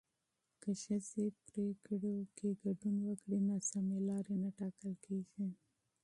که ښځې پرېکړو کې ګډون وکړي، ناسمې لارې نه ټاکل کېږي.